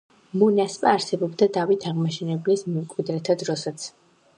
მონასპა არსებობდა დავით აღმაშენებლის მემკვიდრეთა დროსაც.